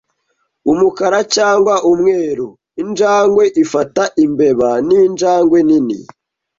Umukara cyangwa umweru, injangwe ifata imbeba ninjangwe nini.